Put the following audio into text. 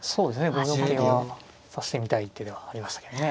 ５四桂は指してみたい手ではありましたけどね。